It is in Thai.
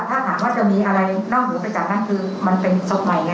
ถ้าถามว่าจะมีอะไรนอกหรือไปจากนั้นคือมันเป็นส่งใหม่ยังไง